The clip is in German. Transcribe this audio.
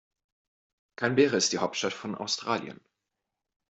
Canberra ist die Hauptstadt von Australien.